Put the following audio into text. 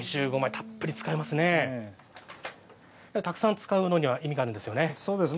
たくさん使うのには意味があるんですよね。